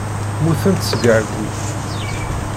Mmutent seg ɛeyyu.